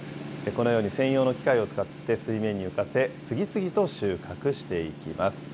このように、専用の機械を使って、水面に浮かせ、次々と収穫していきます。